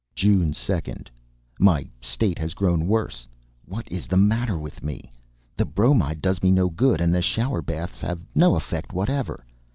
June 2d. My state has grown worse. What is the matter with me? The bromide does me no good, and the shower baths have no effect whatever.